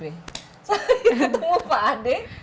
ketemu pak adik